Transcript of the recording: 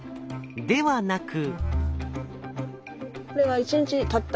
ではなく。